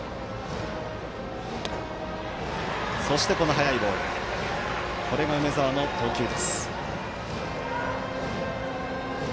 速いボールこれが梅澤の投球です。